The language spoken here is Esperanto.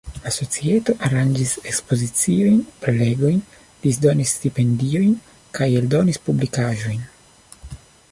La societo aranĝis ekspoziciojn, prelegojn, disdonis stipendiojn kaj eldonis publikaĵojn.